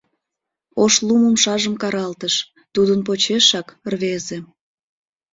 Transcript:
Ошлум умшажым каралтыш, тудын почешак — рвезе.